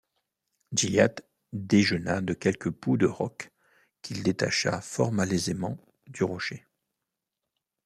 Gilliatt déjeuna de quelques poux de roque, qu’il détacha fort malaisément du rocher.